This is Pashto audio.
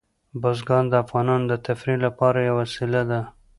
بزګان د افغانانو د تفریح لپاره یوه وسیله ده.